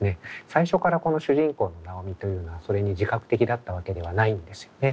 最初からこの主人公の尚美というのはそれに自覚的だったわけではないんですよね。